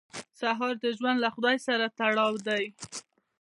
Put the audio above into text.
سهار د ژوند له خدای سره تړاو دی.